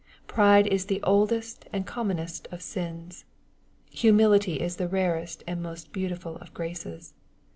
Pride is the oldest and commonest of sins. Humility is the rarest and most beautiful of graces.